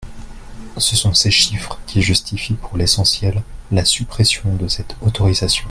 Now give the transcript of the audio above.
Ce sont ces chiffres qui justifient pour l’essentiel la suppression de cette autorisation.